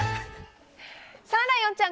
さあ、ライオンちゃん